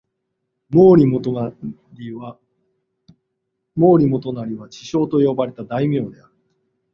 毛利元就は智将と呼ばれた大名である。